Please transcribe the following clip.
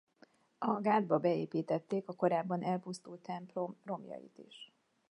A gátba beépítették a korábban elpusztult templom romjait is.